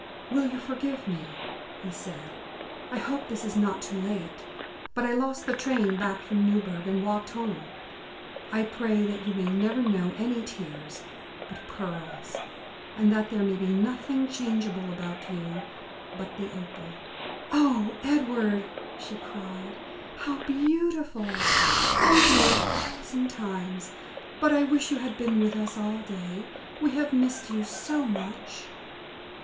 "Will you forgive me?" he said. "I hope this is not too late. But I lost the train back from Newburg and walked home. I pray that you may never know any tears but pearls, and that there may be nothing changeable about you but the opal." "Oh, Edward!" she cried, "how beautiful! Thank you a thousand times. But I wish you had been with us all day. We have missed you so much!"